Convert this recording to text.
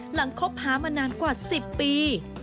หลังคบพ้ามานานกว่า๑๐ปี